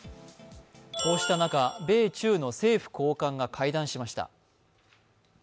こうした中、米中の政府高官が会談しました。